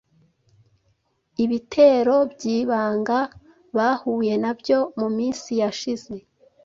Ibitero byibanga bahuye nabyo muminsi yashize